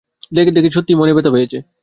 দেখে মনে হলো সত্যিই ব্যথা পেয়েছে।